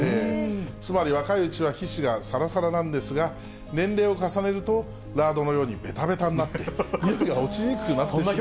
つまり若いうちは皮脂がさらさらなんですが、年齢を重ねるとラードのようにべたべたになって、においが落ちにくくなってしまうと。